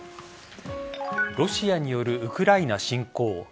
ロシアによるウクライナ侵攻。